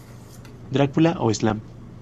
Dracula" o "Slam".